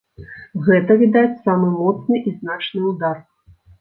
Гэта, відаць, самы моцны і значны ўдар.